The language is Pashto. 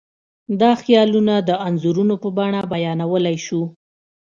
دا خیالونه د انځورونو په بڼه بیانولی شو.